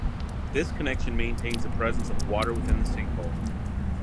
This connection maintains the presence of water within the sinkhole.